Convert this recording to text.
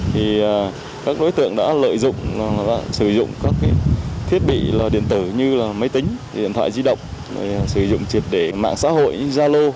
thì các đối tượng đã lợi dụng sử dụng các thiết bị điện tử như là máy tính điện thoại di động sử dụng triệt để mạng xã hội zalo